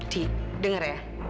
di denger ya